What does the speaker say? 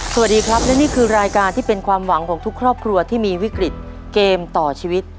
สวัสดีครับและนี่คือรายการที่เป็นความหวังของทุกครอบครัวที่มีวิกฤตเกมต่อชีวิต